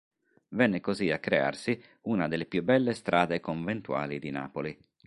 Venne così a crearsi una delle più belle strade conventuali di Napoli.